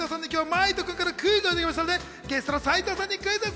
そんな斉藤さんに今日、真威人君からクイズをいただきましたので、ゲストの斉藤さんにクイズッス！